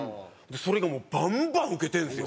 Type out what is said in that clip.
それがもうバンバンウケてるんですよ。